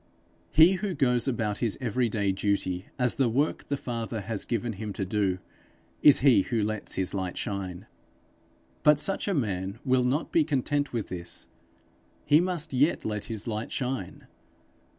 He who goes about his everyday duty as the work the Father has given him to do, is he who lets his light shine. But such a man will not be content with this: he must yet let his light shine.